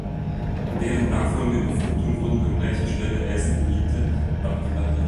Während nachfolgender Überflutungen wurden an gleicher Stelle Eisen-Oolithe abgelagert.